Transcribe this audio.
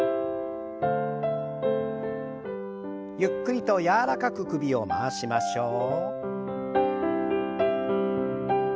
ゆっくりと柔らかく首を回しましょう。